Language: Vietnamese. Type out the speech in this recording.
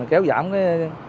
kéo giảm cái